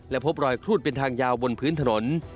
พบรอยครูดเป็นทางยาวบนพื้นถนน